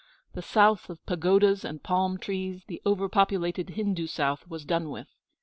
The South of pagodas and palm trees, the over populated Hindu South, was done with.